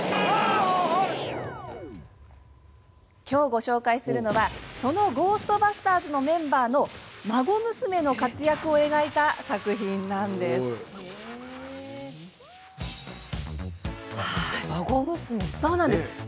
きょうご紹介するのはそのゴーストバスターズのメンバーの孫娘の活躍を描いた作品なんです。